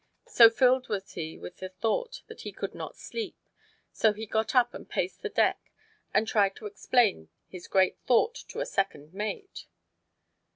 So filled was he with the thought that he could not sleep, so he got up and paced the deck and tried to explain his great thought to the second mate.